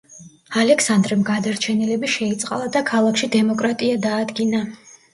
ალექსანდრემ გადარჩენილები შეიწყალა და ქალაქში დემოკრატია დაადგინა.